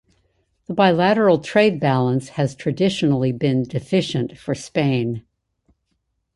The bilateral trade balance has traditionally been deficient for Spain.